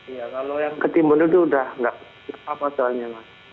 iya kalau yang ketimbun itu udah nggak apa apa soalnya mas